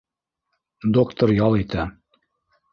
Доктор ял итә!